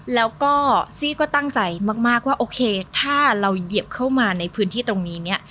แล้วก็ซี่ก็ตั้งใจมากว่าโอเคถ้าเราเหยียบเข้ามาในพื้นที่ตรงนี้เนี่ย